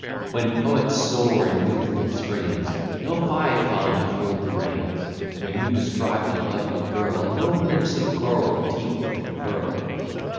When poets soar in youthful strains, No Phaethon to hold the reins. When you describe a lovely girl, No lips of coral, teeth of pearl.